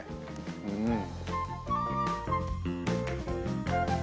うん。